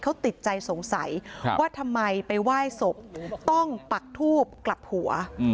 เขาติดใจสงสัยว่าทำไมไปไหว้ศพต้องปักทูบกลับหัว